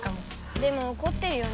でもおこってるよね？